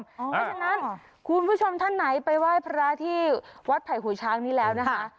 เพราะฉะนั้นคุณผู้ชมท่านไหนไปไหว้พระที่วัดไผ่หัวช้างนี้แล้วนะคะ